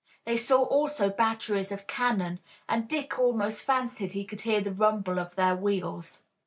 They saw also batteries of cannon, and Dick almost fancied he could hear the rumble of their wheels.